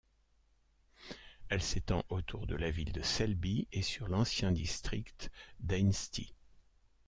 Elle s'étend autour de la ville de Selby et sur l'ancien district d'Ainsty.